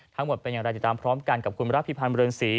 ทั้งหมดเป็นอย่างไรติดตามพร้อมกันกับคุณรับพิพันธ์เรือนศรี